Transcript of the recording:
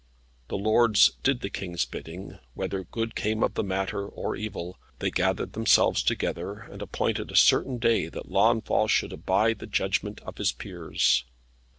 The lords did the King's bidding, whether good came of the matter, or evil. They gathered themselves together, and appointed a certain day that Launfal should abide the judgment of his peers.